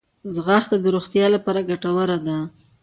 ځغاسته د روغتیا لپاره ګټوره ده